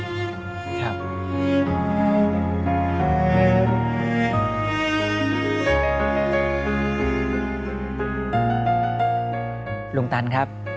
ลูกคุณครับ